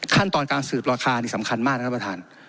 ขั้นตอนการสืบราคานี่สำคัญมากนะครับประธาน